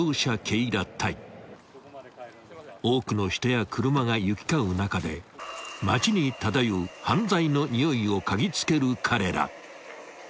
［多くの人や車が行き交う中で町に漂う犯罪のにおいを嗅ぎつける彼ら］